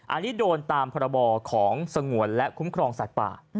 อันนี้โดนตามพรบของสงวนและคุ้มครองสัตว์ป่า